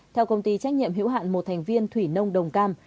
theo công ty trách nhiệm hữu hạn một thành viên thủy nông đồng cam